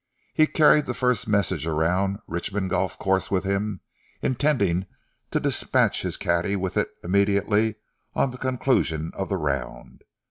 He carried the first message around Richmond golf course with him, intending to dispatch his caddy with it immediately on the conclusion of the round.